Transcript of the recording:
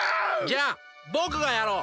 じゃあぼくがやろう！